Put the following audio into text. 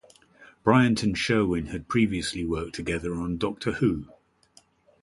Bryant and Sherwin had previously worked together on "Doctor Who".